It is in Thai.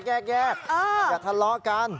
แยกอย่าทะเลาะกัน